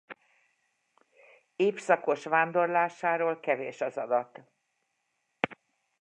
Évszakos vándorlásáról kevés az adat.